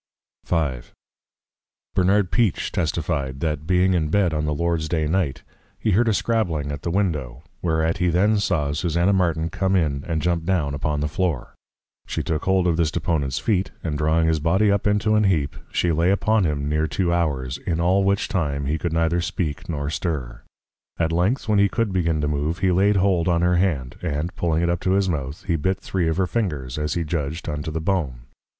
V. Bernard Peache testifi'd, That being in Bed, on the Lord's day Night, he heard a scrabbling at the Window, whereat he then saw Susanna Martin come in, and jump down upon the Floor. She took hold of this Deponent's Feet, and drawing his Body up into an Heap, she lay upon him near Two Hours; in all which time he could neither speak nor stir. At length, when he could begin to move, he laid hold on her Hand, and pulling it up to his Mouth, he bit three of her Fingers, as he judged, unto the Bone.